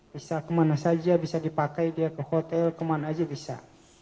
bisa kemana saja bisa dipakai dia ke hotel kemana aja bisa